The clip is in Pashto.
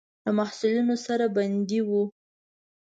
له محصلینو سره بندي وو.